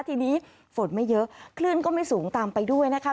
ทีนี้ฝนไม่เยอะคลื่นก็ไม่สูงตามไปด้วยนะคะ